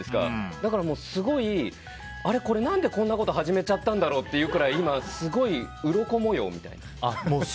だから、何でこんなこと始めちゃったんだろうみたいな感じで今すごい、うろこ模様みたいに。